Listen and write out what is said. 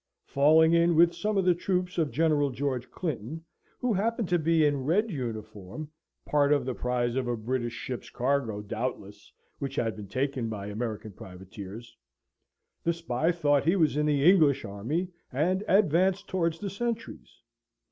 Falling in with some of the troops of General George Clinton, who happened to be in red uniform (part of the prize of a British ship's cargo, doubtless, which had been taken by American privateers), the spy thought he was in the English army, and advanced towards the sentries.